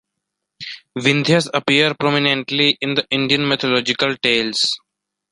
Vindhyas appear prominently in the Indian mythological tales.